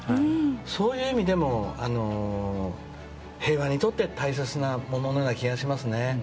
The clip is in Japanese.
そういう意味でも平和にとって大切なもののような気がします。